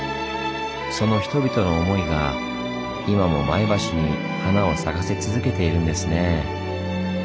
その人々の思いが今も前橋に華を咲かせ続けているんですねぇ。